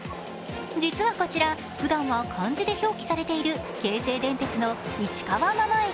実はこちら、ふだんは漢字で表記されている、京成電鉄の市川真間駅。